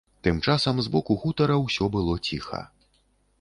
Тым часам з боку хутара ўсё было ціха.